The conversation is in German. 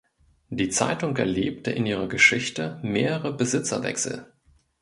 Die Zeitung erlebte in ihrer Geschichte mehrere Besitzerwechsel.